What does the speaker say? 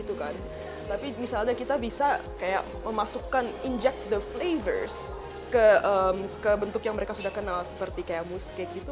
tapi misalnya kita bisa memasukkan inject the flavors ke bentuk yang mereka sudah kenal seperti kaya mousse cake